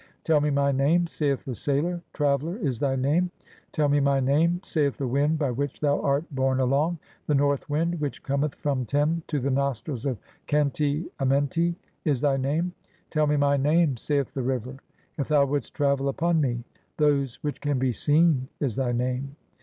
"Tell me my name," saith the Sailor; "Traveller" is thy name. "(27) Tell me my name," saith the Wind by which thou art "borne along ; "The North Wind which cometh from Tem to "the nostrils of Khenti Amenti" x (28) is thy name. "Tell me my name," saith the River, "if thou wouldst travel "upon me"; "Those which can be seen" is thy name.